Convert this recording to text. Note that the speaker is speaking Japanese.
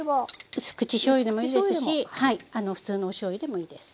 うす口しょうゆでもいいですし普通のおしょうゆでもいいです。